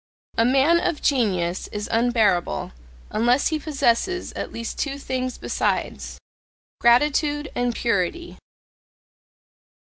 A man of genius is unbearable, unless he possess at least two things besides: gratitude and purity.